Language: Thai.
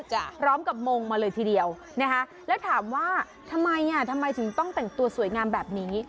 พร้อมกับมงมาเลยทีเดียวนะคะแล้วถามว่าทำไมอ่ะทำไมถึงต้องแต่งตัวสวยงามแบบนี้